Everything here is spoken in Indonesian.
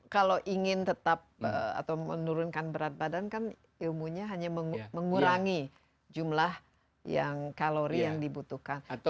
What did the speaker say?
kalau ingin tetap atau menurunkan berat badan kan ilmunya hanya mengurangi jumlah yang kalori yang dibutuhkan